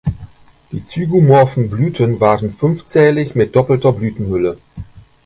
Die zygomorphen Blüten waren fünfzählig mit doppelter Blütenhülle.